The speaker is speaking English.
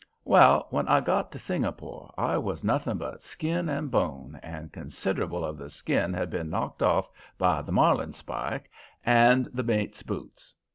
"Well, when I got to Singapore I was nothing but skin and bone, and considerable of the skin had been knocked off by the marline spike and the mate's boots.